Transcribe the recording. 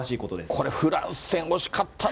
これ、フランス戦、惜しかったね。